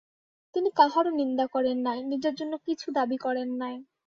তিনি কাহারও নিন্দা করেন নাই, নিজের জন্য কিছু দাবী করেন নাই।